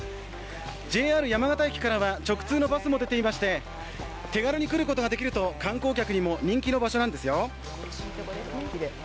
ＪＲ山形駅からは直通のバスも出ていまして、手軽に来ることができると観光客にも人気の場所なんですよ。